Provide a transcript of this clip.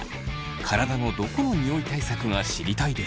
体のどこのニオイ対策が知りたいですか？